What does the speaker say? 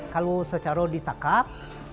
kalau secara ditakab